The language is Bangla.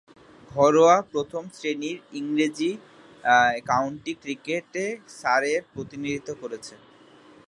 ঘরোয়া প্রথম-শ্রেণীর ইংরেজ কাউন্টি ক্রিকেটে সারের প্রতিনিধিত্ব করেছেন।